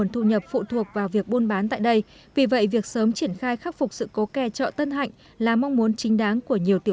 thân ái chào tạm biệt